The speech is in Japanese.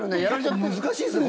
結構難しいですね